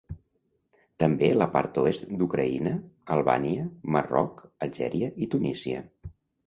També la part oest d'Ucraïna, Albània, Marroc, Algèria i Tunísia.